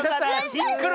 シンクロ！